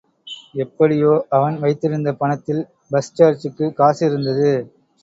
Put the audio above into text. எப்படியோ, அவன் வைத்திருந்த பணத்தில் பஸ் சார்ஜுக்கு காசு இருந்தது.